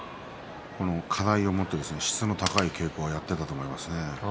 課題を持って質の高い稽古をやっていたと思います。